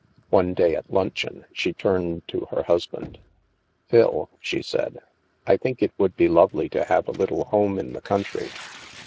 One day at luncheon, she turned to her husband. " Phil,'' she said, " I think it would be lovely to have a little home in the country."